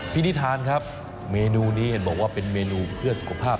นิทานครับเมนูนี้เห็นบอกว่าเป็นเมนูเพื่อสุขภาพ